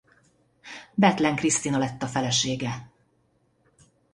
Bethlen Krisztina lett a felesége.